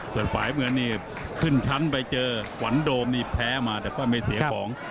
ส่วนฝ่ายเมืองนี่ขึ้นชั้นไปเจอขวัญโดมนี่แพ้มาแต่ก็ไม่เสียของ